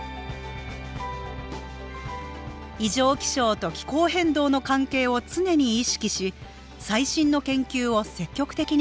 異常気象と気候変動の関係を常に意識し最新の研究を積極的に活用する。